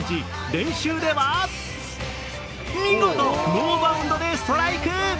練習では、見事ノーバウンドでストライク。